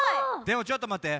でもちょっとまって。